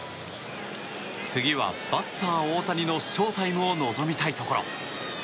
次はバッター大谷のショータイムを望みたいところ。